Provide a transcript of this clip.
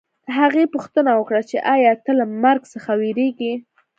هغې پوښتنه وکړه چې ایا ته له مرګ څخه وېرېږې